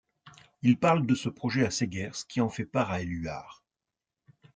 Il parle de ce projet à Seghers qui en fait part à Éluard.